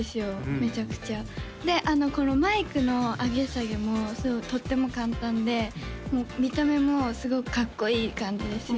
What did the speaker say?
めちゃくちゃでこのマイクの上げ下げもとっても簡単でもう見た目もすごくかっこいい感じですよね